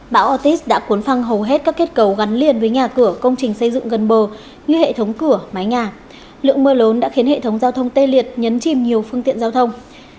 bão ortiz đã cuốn phăng hầu hết các kết cầu gắn liền với nhà cửa công trình xây dựng gần bờ như hệ thống cửa mái nhà lượng mưa lớn đã khiến hệ thống giao thông tê liệt nhấn chìm nhiều phương tiện giao thông